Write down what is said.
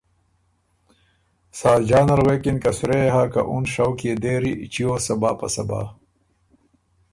ساجان ال غوېکِن که ”سرۀ يې هۀ، که اُن شوق دېری چیو صبا په صبا“